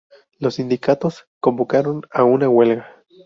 Los sindicatos convocaron a una huelga.